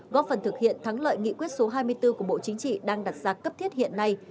góp phần thực hiện thắng lợi nghị quyết số hai mươi bốn của bộ chính trị đang đặt ra cấp thiết hiện nay